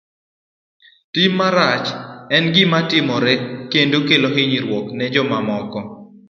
Tim marach en gima timore kendo kelo hinyruok ne jomoko.